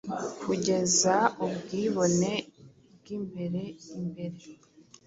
aKugeza ubwibone bwimbere imbere